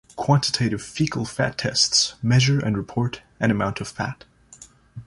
Quantitative fecal fat tests measure and report an amount of fat.